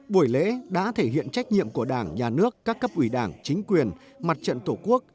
buổi lễ đã thể hiện trách nhiệm của đảng nhà nước các cấp ủy đảng chính quyền mặt trận tổ quốc